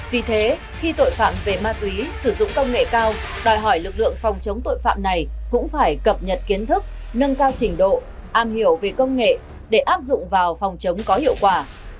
vì thế khi tội phạm về ma túy sử dụng công nghệ cao đòi hỏi lực lượng phòng chống tội phạm này cũng phải cập nhật kiến thức nâng cao trình độ am hiểu về công nghệ để áp dụng vào phòng chống có hiệu quả